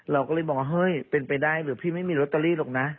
เราก็เลยบอกว่าเฮ้ยเป็นไปได้หรือพี่ไม่มีลอตเตอรี่หรอกนะ